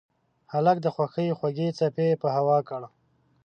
هلک د خوښۍ خوږې څپې په هوا کړ.